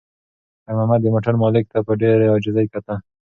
خیر محمد د موټر مالک ته په ډېرې عاجزۍ کتل.